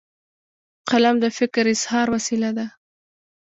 قلم د فکر اظهار وسیله ده.